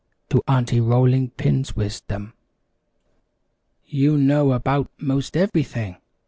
to Aunty Rolling Pin's Wisdom." "You know about 'most everything!"